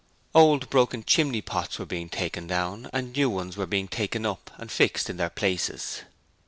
Old broken chimney pots were being taken down and new ones were being taken up and fixed in their places.